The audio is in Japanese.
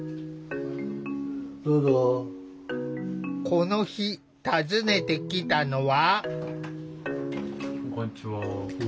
この日訪ねてきたのは。